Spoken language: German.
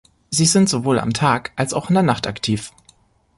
Sie sind sowohl am Tag als auch in der Nacht aktiv.